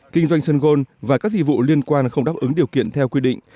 kinh doanh sun gold và các dị vụ liên quan không đáp ứng điều kiện theo quy định